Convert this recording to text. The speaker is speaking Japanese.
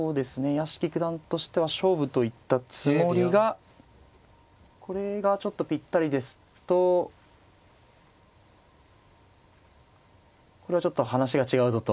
屋敷九段としては勝負と行ったつもりがこれがちょっとぴったりですとこれはちょっと話が違うぞと。